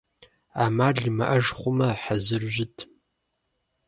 Ӏэмал имыӀэж хъумэ, хьэзыру щыт.